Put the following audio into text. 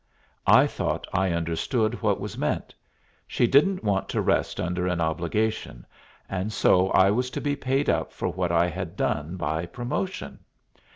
I thought I understood what was meant. She didn't want to rest under an obligation, and so I was to be paid up for what I had done by promotion.